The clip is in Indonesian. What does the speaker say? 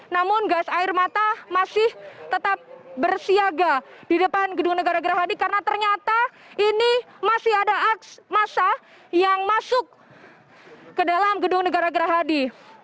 namun gas air mata masih tetap bersiaga di depan gedung negara gerahadi karena ternyata ini masih ada masa yang masuk ke dalam gedung negara gerahadi